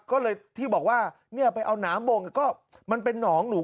ก็เลยที่บอกว่าเนี่ยไปเอาน้ำบ่งก็มันเป็นหนองหนู